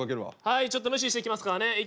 はいちょっと無視していきますからね。